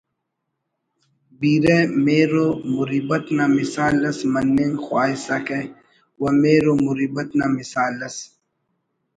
بیرہ مہرو مریبت نا مثال اس مننگ خواہسکہ و مہر و مریبت نا مثال اس